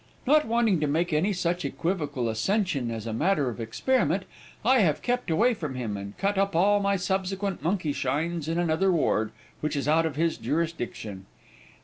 Not wanting to make any such equivocal ascension as a matter of experiment, I have kept away from him, and cut up all my subsequent monkey shines in another ward, which is out of his jurisdiction."